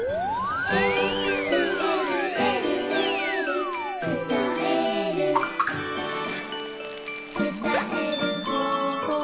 「えるえるえるえる」「つたえる」「つたえる方法」